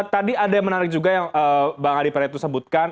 tadi ada yang menarik juga yang bang adi praetno sebutkan